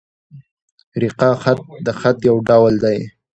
رِقاع خط؛ د خط یو ډول دﺉ.